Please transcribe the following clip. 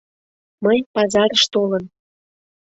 Мый, пазарыш толын